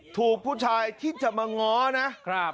ถูกผู้ชายที่จะมาง้อนะครับ